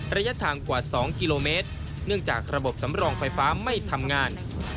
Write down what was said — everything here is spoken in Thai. ระยะทางกว่า๒กิโลเมตรเนื่องจากระบบสำรองไฟฟ้าไม่ทำงาน